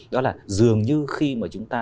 đó là dường như khi mà chúng ta